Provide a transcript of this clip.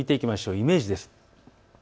イメージです。